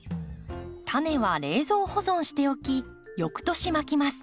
タネは冷蔵保存しておき翌年まきます。